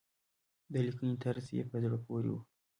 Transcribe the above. د لیکنې طرز يې په زړه پورې وي.